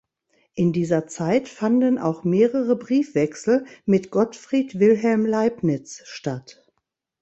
In dieser Zeit fanden auch mehrere Briefwechsel mit Gottfried Wilhelm Leibniz statt.